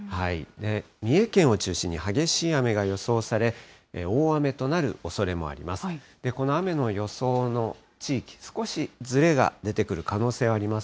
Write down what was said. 三重県を中心に激しい雨が予想され、大雨となるおそれもあります。